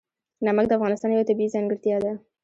نمک د افغانستان یوه طبیعي ځانګړتیا ده.